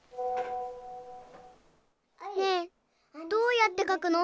ねえどうやって書くの？